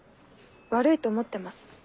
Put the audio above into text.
悪いと思ってます。